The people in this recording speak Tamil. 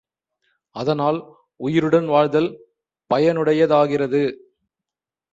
அதனால் உயிருடன் வாழ்தல் பயனுடையதாகிறது.